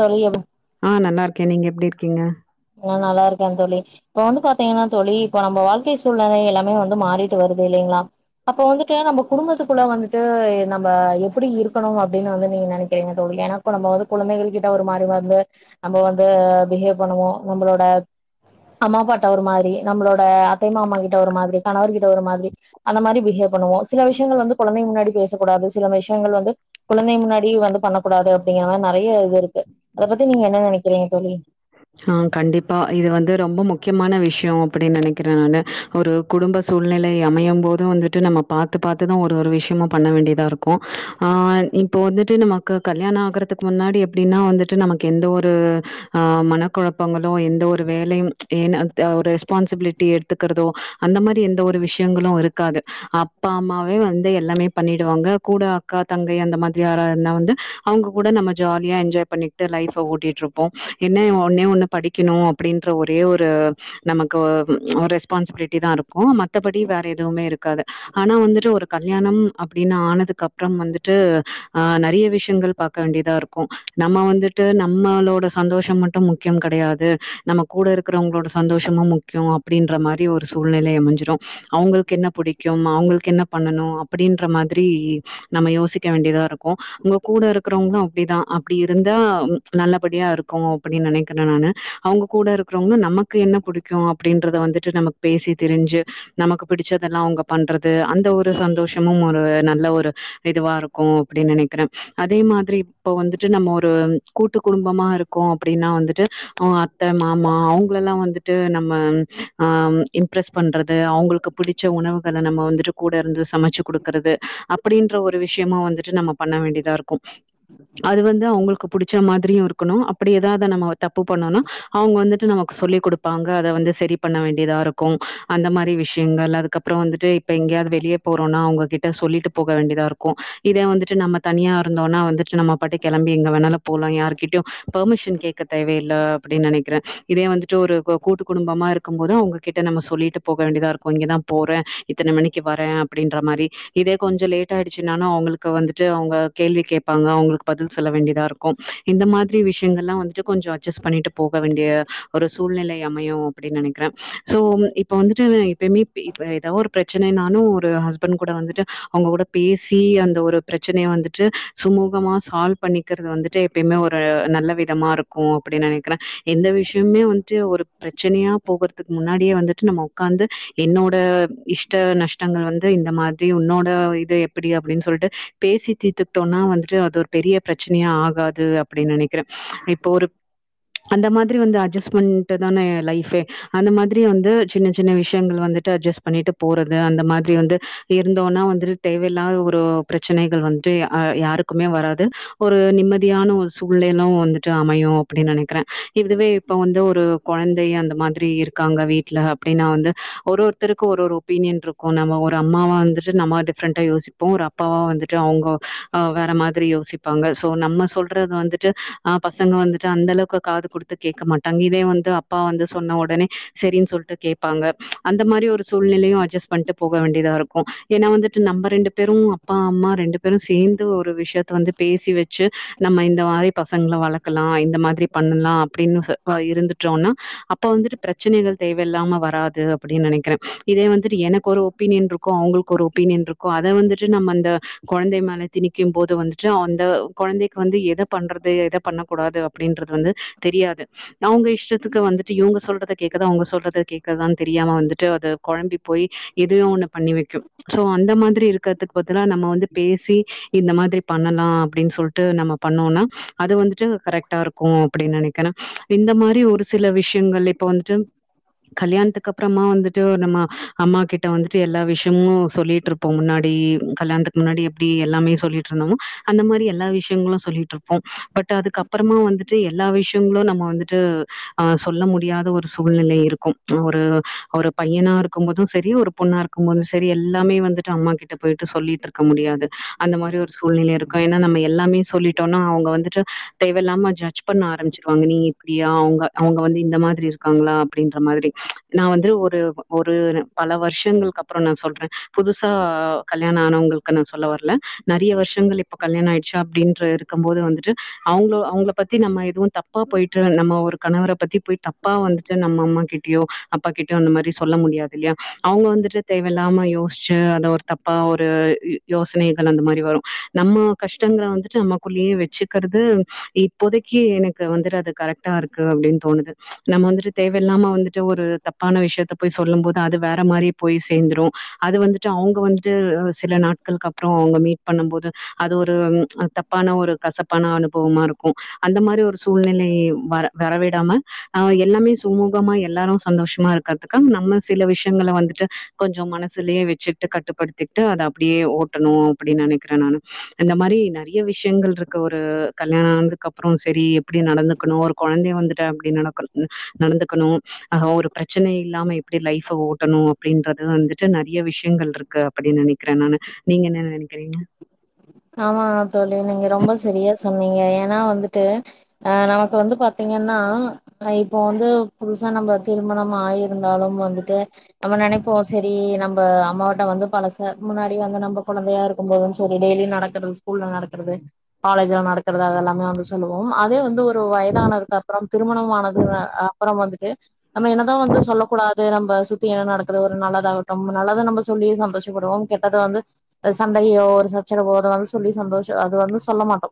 தோழி அவ ஆ நல்லார்க்கேன் நீங்க எப்டி இர்க்கீங்க நா நல்லார்க்கே தோழி இப்போ வந்து பாத்தீங்கன்னா தோழி இப்ப நம்ப வாழ்க்கை சூழ்நிலை எல்லாமே வந்து மாறிட்டு வருது இல்லிங்ளா அப்போ வந்துட்டு நம்ம குடும்பத்துக்குள்ள வந்துட்டு நம்ப எப்புடி இருக்கணும் அப்டின்னு வந்து நீங்க நெனக்கிறீங்க தோழி ஏன்னா ப்போ நம்ம வந்து குழந்தைகள் கிட்ட ஒரு மாதிரிமா வந்து நம்பவந்து பிஹேவ் பண்ணுவோம் நம்பளோட அம்மா அப்பாட்ட ஒரு மாதிரி நம்மளோட அத்தை மாமா கிட்ட ஒரு மாதிரி கணவர்கிட்ட ஒரு மாதிரி அந்த மாரி பிஹேவ் பண்ணுவோ சில விஷயங்கள் வந்து குழந்தைங்க முன்னாடி பேசக்கூடாது சில விஷயங்கள் வந்து குழந்தைங்க முன்னாடி வந்து பண்ணக் கூடாது அப்டிங்கிற மாதிரி நெறைய இது இருக்கு அத பத்தி நீங்க என்ன நெனக்கிறீங்க தோழி ஆ கண்டிப்பா இது வந்து ரொம்ப முக்கியமான விஷ் முக்கிய அப்டின்னு நெனைக்கிற நான்னு ஒரு குடும்ப சூழ்நிலை அமையம்போதூ வந்துட்டு நம்ம பாத்து பாத்துதா ஒரு ஒரு விஷயமும் பண் வேண்டியதா இருக்கூ ஆ இப்போ வந்துட்டு நம்ம க்கு கல்யாண ஆகுறதுக் முன்னாடி எப்டின்னா வந்துட்டு நமக் எந்த ஒரு ஆ மனக் கொழப்பங்களு எந்த ஒரு வேலையும் ஏன ஒரு ரெஸ்பான்சிபிலிட்டி எட்த்துக்கறதோ அந்த மாரி எந்த ஒரு விஷ்யங்களு இருக்காது அப்பா அம்மாவே வந்து எல்லாமே பண்ணிடுவாங்க கூட அக்கா தங்கை அந்த மாதிரி யாராத்னா வந்து அவுங்க கூட நம்ம ஜாலியா என்ஜாய் பண்ணிட்டு லைஃப்ப ஓட்டிட்டு இருப்போ என்ன ஒன்னே ஒண்ணு படிக்கணு அப்டின்ற ஒரே ஒரு நமக்கு ஒ ரெஸ்பான்சிபிலிட்டி தா இருக்கூ மத்தபடி வேற எதுவுமே இருக்காது ஆனா வந்துட்டு ஒரு கல்யாணம் அப்டின்னு ஆனதுக்கு அப்றம் வந்துட்டு ஆ நெறைய விஷயங்கள் பாக்க வேண்டியதாருக் க்கு நம்ம வந்துட்டு நம்மளோட சந்தோஷம் மட்டு முக் முக்கியம் கெடையாது நம்ம கூட இருக்றவங்களோட சந்தோஷமு முக்கியொ அப்டின்ற மாதிரி ஒரு சூழ்நிலை அமைஞ்சுரு அவங்குள்க்கு என்ன புடிக்கு அவங்குள்க்கு என்ன பண்ணணு அப்டின்ற மாதிரி நம்ம யோசிக்க வேண்டியதா இருக் கு உங்ககூட இருக்கிறவங்ளு அப்டிதா அப்டிஇருந்தா நல்லபடியாருக்கு அப்டி நெனைக் க்கற நானு அவுங்க கூட இருக்கிறவங்க நம்மக்கு என்ன புடிக்கூ அப்டின்றத வந்துட்டு நமக் பேசி தெரிஞ்சு நமக்கு பிடிச்சதெல்லா அவுங்க பண்றது அந்த ஒரு சந்தோஷமும் ஒரு நல்ல ஒரு இதுவா இருக்கு அப்டின் நெனைக்கிறே அதே மாதிரி இப்ப வந்துட்டு நம்ம ஒரு கூட்டு குடும்பமா இருக்கோ அப்டினா வந்து ட்டு அவ்ங்க அத்த மாமா அவுங்களெல்லா வந்துட்டு நம்ம ஆம் இம்ப்ரெஸ் பண்றது அவுங்ளுக்கு புடிச்ச உணவுகள நம்ம வந்துட்டு கூட இருந்து சமச்சு குடுக்கறது அப்டின்ற ஒரு விஷ்யமு வந்துட்டு நம்ம பண்ண வேண்டியதா இருக்கு அது வந்து அவுங்களுக்கு புடிச்ச மாதிரியு இருக்கனு அப்டி எதாவ்து நம்ம தப்பு பண்ணோனா அவுங்க வந்துட்டு நமக்கு சொல்லி் குடுப்பாங்க அத வந்து செரி பண்ண வேண்டியதா இருக்கு அந்த மாரி விஷ்யங்கள் அதுக்கப்றோ வந்துட்டு இப்ப எங்கயாது வெளிய போறோனா அவுங்ககிட்ட சொல்லிட்டு போக வேண்டியதா இருக் க்கு இதே வந்துட்டு நம்ம தனியா இருந்தோனா வந்துட்டு நம்ம பாட்டு கெளம்பி எங்க வேணாலு போலா யாருக்கிட்டயு பெர்மிஷன் கேக்க தேவயில்ல அப்டின் நெனைக்கிற இதே வந்துட்டு ஒரு கு கூட்டு குடும்பமா இருக்கும் போது அவுங்ககிட்ட நம்ம சொல்லிட்டு போக வேண்டியதா இருக்கு இங்கெதா போறே இத்தன மணிக்கு வரே அப்டின்ற மாரி இதே கொஞ்ச லேட் ஆயிடுச்சுனாலு அவுங்களுக்கு வந்துட்டு அவுங்க கேள்வி கேப்பாங்க அவுங்ளுக்கு பதில் சொல்ல வேண்டியதா இருக் கு இந்த மாதிரி விஷ்யங்கள்லா வந்து ட்டு கொஞ்ச அட்ஜஸ்ட் பண்ணிட்டு போக வேண்டிய ஒரு சூழ்நகலை அமையு அப்டின் நெனைக்கிறே சோ இப்ப வந்துட்டு நை எப்பமே இப்ப இப்ப எதா ஒரு பிரச்சனைனானு ஒரு ஹஸ்பண்ட் கூட வந்துட்டு அவுங்க கூட பேசி அந்த ஒரு பிரச்சனைய வந்துட்டு சுமூகமா சால்வ் பண்ணி க்கறது வந்துட்டு எப்பயுமே ஒரு நல்ல விதமா இருக் கு அப்டின் நெனைக்கிறே எந்த விஷ்யமுமே வந்துட்டு ஒரு பிரச்சனையா போகற்த்துக்கு முன்னாடியே வந்துட்டு நம்மோ ஒக்காந்து என்னோட இஷ்ட நஷ்டங்கள் வந்து இந்த மாதிரி உன்னோட இது எப்டி அப்டின் சொல்ட்டு பேசி தீத்துக்ட்டோனா வந்துட்டு அது ஒரு பெரிய பிரச்சனையா ஆகாது அப்டின் நெனைக்கிறே இப் இப்ப ஒரு அந்த மாதிரி வந்து அட்ஜஸ்மெண்ட்டு தானே லைஃபே அந்த மாதிரி வந்து சின்ன சின்ன விஷ்யங்கள் வந்துட்டு அட்ஜஸ்ட் பண்ணிட்டு போறது அந்த மாதிரி வந்து இருந்தோனா வந்துட்டு தேவயில்லாத ஒரு பிரச்சனைகள் வந்துட்டு அ யாருக்குமே வராது ஒரு நிம்மதியான ஒரு சூழலு வந்து ட்டு அமையு அப்டி நெனைக்கிறே இதுவே இப்ப வந்து ஒரு கொழந்தை அந்த மாதிரி இருக்காங்க வீட்ல அப்டினா வந்து ஒரு ஒருத்தருக்கு ஒரு ஒரு ஒபீனியன் இருக்கு நம்ம ஒரு அம்மாவா வந்துட்டு நம்ம டிஃப்ரெண்டா யோசிப் போ ஒரு அப்பாவா வந்துட்டு அவ்ங்க ஆ வேற மாதிரி யோசிப்பாங்க சோ நம்ம சொல்றது வந்துட்டு ஆ பசங்க வந்துட்டு அந்த அளவுக்கு காது குடுத்து கேக்க மாட்டாங்க இதே வந்து அப்பா வந்து சொன்ன ஒடனே செரின் சொல்ட்டு கேப்பாங்க அந்த மாரி ஒரு சூழ்நிலையு அட்ஜஸ்ட் பண்ட்டு போக வேண்டியதா இருக்கு ஏனா வந்துட்டு நம்ம ரெண்டு பேரு அப்பா அம்மா ரெண்டு பேரு சேந்து ஒரு விஷ் யத்த வந்து பேசி வஙச்சு நம்ம இந்த மாரி பச சங்கள வளக்கலா இந்த மாதிரி பண்ணலா அப்டின்னு அ இருந்துட்டோனா அப்ப வந்துட்டு பிரச்சனைகள் தேவயில்லாம வராது அப்டின் நெனைக்கிறே இதே வந்துட்டு எனக்கொரு ஒப்பீனியன் இருக்கு அவுங்களுக்கு ஒரு ஒப்பீனியன் இருக்கு அத வந்துட்டு நம்ம அந்த கொழந்தை மேல திணிக்கும் போது வந்துட்டு அந்த கொழந்தைக்கு வந்து எத பண்ற து எத பண்ணக் கூடாது அப்டின்றது வந்து தெரியாது நவ்ங்க இஷ்டத்துக்கு வந்துட்டு இவுங்க சொல்றத கேக்கற்தா அவ்ங்க சொல்றத கேக்கற்தானு தெரியாம வந்துட்டு அது கொழம்பி போயி எதயோ ஒன்ன பண்ணி வெக்கு சோ அந்த மாதிரி இருக்கிறதுக்கு பதிலா நம்ம வந்து பேசி இந்த மாதிரி பண்ணலா அப்டின் சொல்ட்டு நம்ம பண்ணோனா அது வந்துட்டு கரெக்டா இருக்கு அப்டின் நெனைக்கிறே இந்த மாரி ஒரு சில விஷ்யங்கள் இப்ப வந்துட்டு கல்யாணத்துக்கு அப்றமா வந்து ட்டு நம்ம அம்மா கிட்ட வந்துட்டு எல்லா விஷ்யமு சொல்லிட்ருப்போ முன்னாடி கல்யாணத்துக் முன்னாடி எப்டி எல்லாமே சொல்லிட்ருந்தமோ அந்த மாரி எல்லா விஷ்யங்களு சொல்லிட்ருப்போ பட் அதுக்கு அப்பறமா வந்துட்டு எல்லா விஷ்யங்களு நம்ம வந்துட்டு ஆ சொல்ல முடியாத ஒரு சூழ்நிலை இருக்கும் ஒரு ஒரு பையனா இருக்கும்போது செரி ஒரு பொண்ணா இருக் க்கு முன் செரி எல்லாமே வந்துட்டு அம்மா கிட்ட பொய்ட்டு சொல்லிட்ருக்க முடியாது அந்த மாரி ஒரு சூழ்நிலை இருக் கோ ஏன்னா நம்ம எல்லாமே சொல்லிட்டோன்னா அவுங்க வந்துட்டு தேவயில்லாம ஜட்ஜ் பண்ண ஆரம்பிச்சிருவாங்க நீ இப்டியா அவுங்க அவுங்க வந்து இந்த மாதிரி இருக்காங்ளா அப்டின்ற மாதிரி நா வந்து ஒரு ஒரு பலவர்ஷங்களுக்கு அப்றோ நா சொல்ற புதுசா கல்யாண ஆனவங்களு க்கு நா சொல்ல வர்ல நறைய வருஷங்கள் இப்ப கல்யாணொ ஆய்டுச்சா அப்டின்ற இருக்கம்போது வந்துட்டு அவ்ங்கள அவ்ங்கள பத்தி நம்ம எதுவும் தப்பா பொய்ட்டு நம்ம ஒரு கணவர பத்தி பொய்தப்பா வந்து ட்டு நம்ம அம்மா கிட்டியோ அப்பா கிட்ட அந்த மாதிரி சொல்ல முடியாது இல்லியா அவங்க வந்துட்டு தேவயில்லாம யோஸ்ச்சு அத ஒர் தப்பா ஒரு யோசனைகள் அந்த மாரி வரூ நம்ம கஷ்டங்கள வந்துட்டு நம்மக்குள்ளேயே வெச்சு கற்து இப்போதைக்கு எனக்கு வந்துட்டு அது கரெக்டாருக்கு அப்டின் தோணுது நம்ம வந்துட்டு தேவயில்லாம வந்துட்டு ஒரு தப்பான விஷ்யத்த போய் சொல்லம்போது அது வேற மாரி போய் சேந்துரு அது வந்துட்டு அவுங்க வந்துட்டு சில நாட்களுக்கு அப்புற அவங்க மீட் பண்ணம்போது அது ஒரு அத் தப்பான ஒரு கசப் பாண அனுபவமார்க்கு அந்த மாரி ஒரு சூழ்நிலை வர வரவிடாம ஆ எல்லாமே சுமூகமா எல்லாரு சந்தோஷமா இருக்கற்துக்கு நம்ம சில விஷ்யங்கள வந்துட்டு கொஞ்சொ மனசுலியே வெச்சுட்டு கட்டுப்படுத்திட்டு அத அப்டியே ஓட்டணு அப்டி நெனக்கிற நானு அந்த மாரி நறய விஷயங்கள் ருக் கு ஒரு கல்யாண ஆனதுக்கு அப்ற செரி எப்படி நடந்துக்கணு ஒரு கொழந்தையு வந்துட்டா எப்டி நடக்கணு நடந்துக்கணு ஆ ஒரு பிரச்சனை இல்லாம எப்டி லைஃப்ப ஓட்டணு அப்படின்றத வந்து நறிய விஷயங்கள்ருக்கு அப்டின்னு நனக்கிறே நானு நீங்க என்ன நனக்கிறீங்க ஆம்மா தோழி நீங்க ரொம்ம சரியா சொன்னீங்க ஏன்னா வந்தட்டு ஆ நமக்கு வந்து பாத்தீங்கன்னா ஆ இப்போ வந்து புதுசா நம்ப திருமணம் ஆயிருந்தாலு வந்துட்டு நம்ம நெனப்போ செரி நம்மப அம்மாவிட்ட வந்து பழச முன்னாடி வந்து நம்ம கொழந்தையா இருக்கும்போது சொல்லி டெய்லி நட நடகரது ஸ்கூல்ல நடக்கர்து காலேஜ்ஜுலா நடக் கரறதா அதெல்லாமே வந்து சொல்லுவோ அதே வந்து ஒரு வயதானதுக்கு அப்பற திருமணமானது அப்பற வந்துட்டு நம்ம என்னதா வந்து சொல்லக்கூடாது நம்ப சுத்தி என்ன நடக்குது ஒரு நல்லதாகட்டு நல்லத நம்ப சொல்லி சந்தோஷப்படுவோ கெட்டத வந்து சண்டையோ ஒரு சச்சரவோ அது வந் சொல்லி சந்தோஷொ அது வந்து சொல்ல மாட்டோ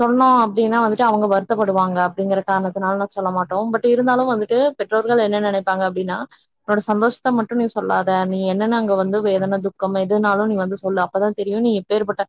சொன்னோ அப்படின்னா வந்துட்டு அவங்க வருத்தப்படுவாங்க அப்டிங்கிற காரணத்துனால நா சொல்ல மாட்டோ பட் இருந்தாலு வந்துட்டு பெற்றோர்கள் என்ன நெனைப்பாங்க அப்பிடீன்னா உன்னோட சந்தோஷத்த மட்டு நீ சொல்லாத நீ என்னன்ன அங்க வந்து எதனா துக்கம் எதுனால நீ வந்து சொல்லு அப்பதா தெரியு நீ எப்பேர்பட்ட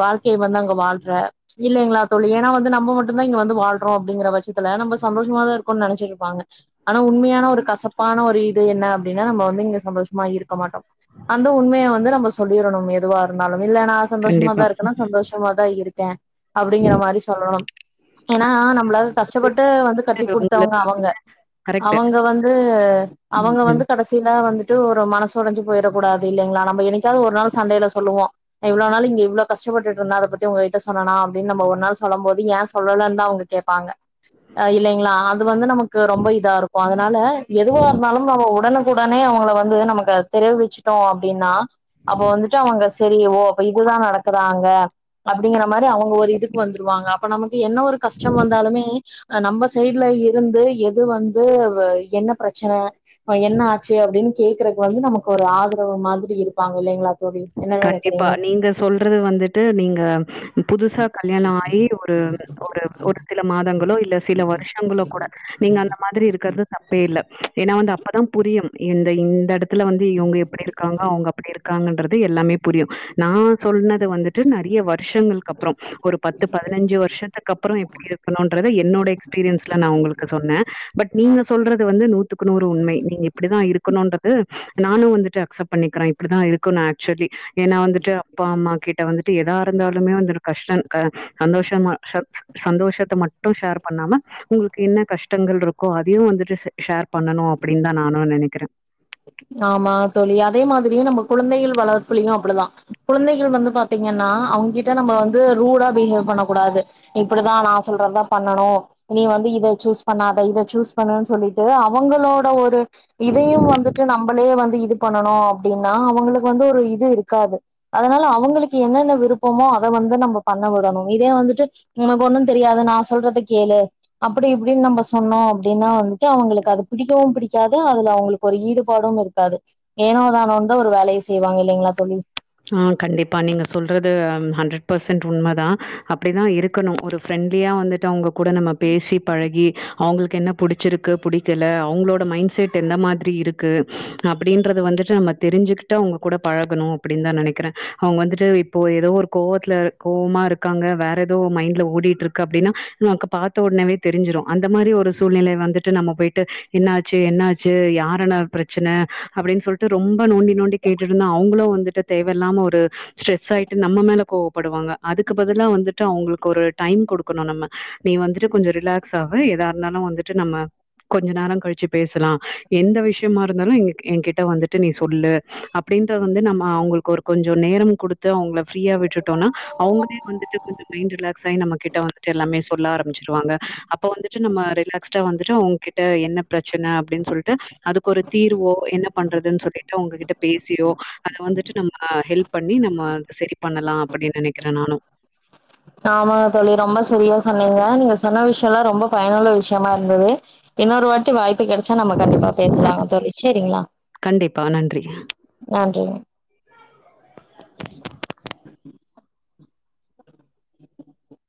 வாழ்க்கைய வந்து அங்க வாழ்ற இல்லைங்களா தோழி ஏன்னா வந்து நம்ம மட்டுதா இங்க வந்து வாழ்றோ அப்படிங்கிற பட்சத்துல நம்ம சந்தோஷமா தா இருக்கோன்னு நெனச்சிருப்பாங்க ஆன்னா உண்மையான ஒரு கசப்பான ஒரு இது என்ன அப்டின்னா நம்ம வந்து இங்க சந்தோஷ்மா இருக்கமாட்டோ அந்த உண்மைய வந்து நம்ம சொல்லிடணு எதுவா இருந்தாலு இல்ல நா சந்தோஷ்மாதா கண்டிப்பா. இருக் கனா சந்தோஷமாதா இருக்கே அப்டிங்கிற மாரி சொல்லணு ஏனா நம்மள கஷ்டப்பட்டு வந்து அது கட்டிககுடுத்தவங்க உங்களுக்கு அவங்க கரெக்ட்டு. அவங்க வந்து ம், அவங்க ம். வந்து கடசி த்தினா வந்துட்டு ஒரு மனசொடஞ்சி போயிடக்கூடாது இல்லிங்களா நம்ப என்னூக்காவது ஒரு நாள் சண்டைல சொல்லுவோ நா இவ்ளோ நாள் இங்க இவ்ளோ கஷ்டப்பட்டுட்ருந்தா அதபத்தி உங்க கிட்ட சொன்னனா அப்படின நம்ம ஒரு நாள் சொல்லம்போது ஏன் சொல்லன்தா அவுங்க கேப்பாங்க அ இல்லிங்களா அது வந்து நமக் கு ரொம்ப இதாருக்கு அதுனால எதுவாருந்தாலும்அவுங்க உடனுக்குடனே அவுங்கள வந்து நமக்கு தெரிவிச்சுட்டோ அப்டின்னா அப்ப வந்துட்டு அவங்க செரி ஓ அப்ப இதுதா நடக்குதா அங்க அப்டிங்கிற மாரி அவங்க ஒரு இதுக்கு வந்துருவாங்க அப்ப நமக்கு என்ன ஒரு கஷ்டம் வந்தாலுமே அ நம்ம சைடுல இருந்து எது வந்து வ என்ன பிரச்சன அ என்ன ஆச்சு அப்டின்னு கேக்குறதுக்கு வந்து நமக்கு ஒரு ஆதரவு மாதிரி இருப்பாங்க இல்லைங்ளா கண்டிப்பா நீங்க சொல்றது வந்துட்டு நீங்க ம் புதுசா கல்யாண ஆயி ஒரு ஒரு ஒரு சில மாதங்களோ இல்ல சில வருஷங்களோ கூட நீங்க அந்த மாதிரி இருக்கற்து தப்பே இல்ல ஏனா வந்து அப்பதா புரியும் இந்த இந்த எடத் த்துல வந்து இவ்ங்க எப்டி இருக்காங்க அவ்ங்க அப்டி இருக்காங்கன்றது எல்லாமே புரியு நா சொன்னது வந்துட்டு நெறைய வருஷங்களுக்கு அப்ற ஒரு பத்து பதினஞ்சு வர்ஷத்துக்கு அப்பறோ எப்டி இருக்கணுன்றது என்னோட எக்ஸ்பீரியன்ஸ்ல நா உங்களுக் கு சொன்னே பட் நீங்க சொல்றது வந்து நூத் துக்குநூறுஉண்மை நீங்க இப்டிதா இருக்கணுன்றது நானு வந்துட்டு அக்சப்ட் பண்ணிக்கிறே இப்டித்தா இருக்கணு ஆக் ச்சுவலி ஏனா வந்துட்டு அப்பா அம்மா கிட்ட வந்துட்டு எதா இருந்தாலுமே வந்துரு கஷ்ட க சந்தோஷமா ச சந்தோஷத்த மட்டு ஷேர் பண்ணாம உங்களுக்கு என்ன கஷ்டங்கள் இருக்கோ அதையு வந்துட்டு ஷே ஷேர் பண்ணணு அப்டின் தா நானு நெனைக்கிறே ஆமா தோழி அதே மாதிரியு நம்ம குழந்தைகள் வளர்ப்புலையு அப்டிதா குழந்தைகள் வந்து பாத் தீங்கனா அவ்ங்கிட்ட நம்ம வந்து ரூடா பிஹேவ் பண்ண கூடாது இப்டிதா நா சொல்றதுதா பண்ணனு நீ வந்து இத சூஸ் பண்ணாத இத சூஸ் பண்ணுன் சொல்லிட்டு அவங்களோட ஒரு இதையு வந்து ட்டு நம்பளே வந்து இது பண்ணணு அப்டின்னா அவங்களுக்கு வந்து ஒரு இது இருக்காது அதனால அவுங்களுக்கு என்னென்ன விருப்பமோ அத வந்து நம்ம பண்ண விடணு இதே வந்துட்டு உனக்கு ஒன்னு தெரியாது நா சொல்றத கேளு அப்டி இப்டின் நம்ப சொன்னோ அப்டினா வந்துட்டு அவங்களுக்கு அது பிடிக்கவு பிடிக்காது அதுல அவ்ங்களுக்கு ஒரு ஈடுப் பாடும். இருக்காது ஏனோ தானோன்தா ஒரு வேலைய செய்வாங்க இல்லைங்ளா தோழி ஆ கண்டிப்பா நீங்க சொல்றது அ ஹண்ட்ரட் பர்சன்ட் உண்ம தா அப்டிதா இருக்கணு ஒரு ஃப்ரெண்ட்லியா வந்துட்டு அவ்ங்க கூட நம்ம பேசி பழகி அவ்ங்களுக்கு என்ன புடிச்சிருக்கு புடிக்கல அவ்ங்களோட மைண்ட்செட் எந்த மாதிரி இருக்கு அப்டின்றத வந்துட்டு நம்ம தெரிஞ்சுகிட்டு அவ்ங்க கூட பழகணு அப்டின் தா நெனைக்கிறே அவ்ங்க வந்துட்டு இப்போ எதோ ஒரு கோவத்துல கோவமா இருக்காங்க வேற எதோ மைண்ட்ல ஓடிட்ருக் கு அப்டின்க்னா நமக்கு பாத்த ஒட்னேவே தெரிஞ்சுரு அந்த மாரி ஒரு சூழ்நிலை வந்துட்டு நம்ம போயிட்டு என்னாச்சு என்னாச்சு யாரென்ன பிரச்சன அப்டின் சொல்ட்டு ரொம்ப நோண்டி நோண்டி கேட்டுட்ருந்தா அவங்களு வந்து ட்டு தேவயில்லாம ஒரு ஸ்ட்ரெஸ் ஆயிட்டு நம்ம மேல கோவப்படுவாங்க அதுக்கு பதிலா வந்துட்டு அவ்ங்களுக்கு ஒரு டைம் குடுக் க்கணு நம்ம நீ வந்துட்டு கொஞ்ச ரிலாக்ஸ் ஆகு எதா இருந்தாலு வந்துட்டு நம்ம கொஞ்ச நேர கழிச்சு பேசலா எந்த விஷயமா இருந்தாலு எங்க எங்கக்கிட்ட வந்துட்டு நீ சொல்லு அப்டின்றத வந்து நம்ம ஆ அவங்களுக்கு ஒரு கொஞ்ச நேரமு குடுத்து அவ்ங்கள ஃப்ரீயா விட்டுட்டோனா அவ்ங்களே வந்துட்டு கொஞ்ச மைண்ட் ரிலாக்ஸ் ஆயி நம்மக்கிட் ட்ட வந்துட்டு எல்லாமே சொல்ல ஆரம்மிச்சிருவாங்க அப்ப வந்துட் டு நம்ம ரிலாக்ஸ்டா வந்துட்டு அவ்ங்க கிட்ட என்ன பிரச்சன அப்டின் சொல்ட்டு அதுக்கொரு தீர்வோ என்ன பண்றதுன் சொல்லிட்டு அவ்ங்ககிட்ட பேசியோ அத வந்துட்டு நம்ம ஹெல்ப் பண்ணி நம்ம அத செரி பண்ணலா அப்டின் நெனைக்கிறே நானு ஆமாங்க தோழி ரொம்ப செரியா சொன்னீங்க நீங்க சொன்ன விஷ்யோலா ரொம்ப பயனுள்ள விஷ்யமா இருந்தது இன்னொரு வாட்டி வாய்ப்பு கெடச்சா நம்ம கண்டிப்பா பேசலாங்க தோழி சேரிங்ளா கண்டிப்பா நன்றிங்க நன்றி ஆ